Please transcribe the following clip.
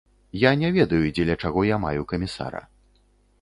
Я не ведаю, дзеля чаго я маю камісара.